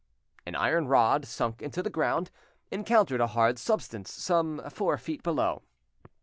An iron rod sunk into the ground, encountered a hard substance some four feet below.